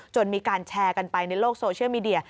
มีการแชร์กันไปในโลกโซเชียลมีเดีย